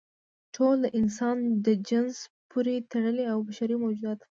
ټول د انسان جنس پورې تړلي او بشري موجودات وو.